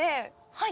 はい。